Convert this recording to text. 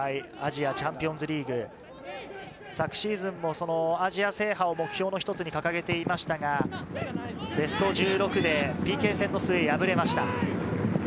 アジアチャンピオンズリーグ、昨シーズンもアジア制覇を目標の一つに掲げていましたが、ベスト１６でＰＫ戦の末、敗れました。